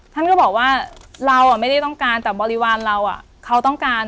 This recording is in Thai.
ท่านก็บอกว่าเราไม่ได้ต้องการแต่บริวารเราเขาต้องการ